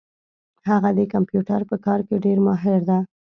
هغه د کمپیوټر په کار کي ډېر ماهر ده